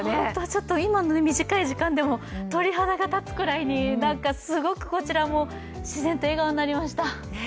ちょっと今の短い時間でも鳥肌が立つくらいに、すごくこちらも自然と笑顔になりました。